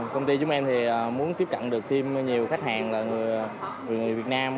công ty chúng em thì muốn tiếp cận được thêm nhiều khách hàng là người việt nam